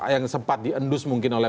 yang sempat diendus mungkin oleh